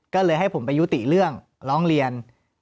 ก็เลยให้ผมไปยุติเรื่องร้องเรียน